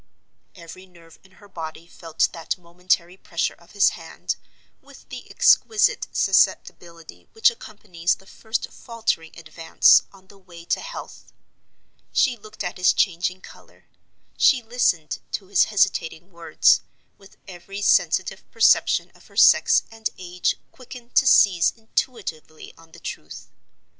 Every nerve in her body felt that momentary pressure of his hand, with the exquisite susceptibility which accompanies the first faltering advance on the way to health. She looked at his changing color, she listened to his hesitating words, with every sensitive perception of her sex and age quickened to seize intuitively on the truth.